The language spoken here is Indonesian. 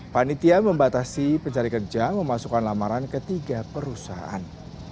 panitia membatasi pencari kerja memasukkan lamaran ke tiga perusahaan